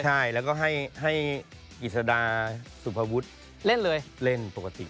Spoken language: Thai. ใช่แล้วก็ให้อิสรดาสุภวุฒเล่นปกติ